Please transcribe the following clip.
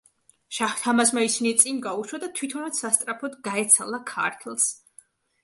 შაჰ-თამაზმა ისინი წინ გაუშვა და თვითონაც სასწრაფოდ გაეცალა ქართლს.